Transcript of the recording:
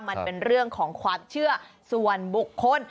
มันเป็นเรื่องของความเชื่อส่วนบุคคล